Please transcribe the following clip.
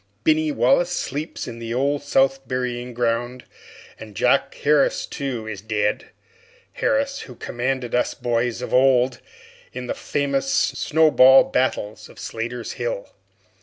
Binny Wallace sleeps in the Old South Burying Ground; and Jack Harris, too, is dead Harris, who commanded us boys, of old, in the famous snow ball battles of Slatter's Hill.